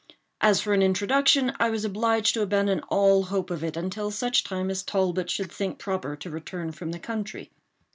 As for an introduction, I was obliged to abandon all hope of it until such time as Talbot should think proper to return from the country.